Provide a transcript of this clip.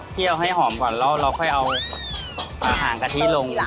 ให้หอมก่อนแล้วเราค่อยเอาอาหารกะทิลง